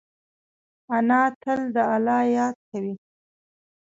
انا تل د الله یاد کوي